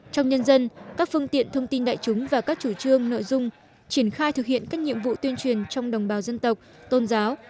trong nhân dân các phương tiện thông tin đại chúng và các chủ trương nội dung triển khai thực hiện các nhiệm vụ tuyên truyền trong đồng bào dân tộc tôn giáo